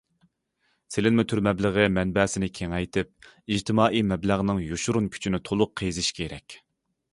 سېلىنما تۈر مەبلىغى مەنبەسىنى كېڭەيتىپ، ئىجتىمائىي مەبلەغنىڭ يوشۇرۇن كۈچىنى تولۇق قېزىش كېرەك.